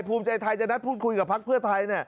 ภูมิใจไทยจะนัดพูดคุยกับพักเพื่อไทย